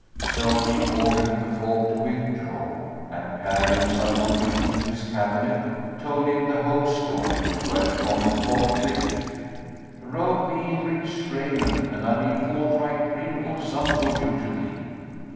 So he ordered the folk to withdraw and, carrying Uns al Wujud into his cabinet, told him the whole story; whereupon quoth the youth, "Robe me in rich raiment, and I will forthright bring Uns al Wujud to thee."